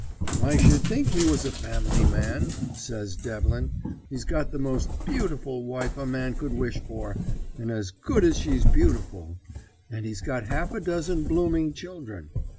"I should think he was a family man," says Devlin. "He's got the most beautiful wife a man could wish for, and as good as she's beautiful; and he's got half a dozen blooming children.